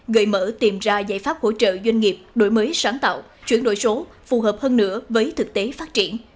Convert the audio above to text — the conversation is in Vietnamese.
gợi mở tìm ra giải pháp hỗ trợ doanh nghiệp đổi mới sáng tạo chuyển đổi số phù hợp hơn nữa với thực tế phát triển